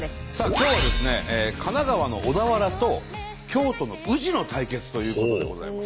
今日は神奈川の小田原と京都の宇治の対決ということでございます。